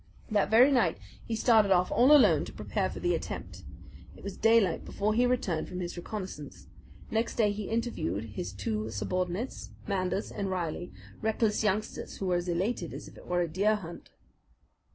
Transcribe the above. That very night he started off all alone to prepare for the attempt. It was daylight before he returned from his reconnaissance. Next day he interviewed his two subordinates, Manders and Reilly, reckless youngsters who were as elated as if it were a deer hunt.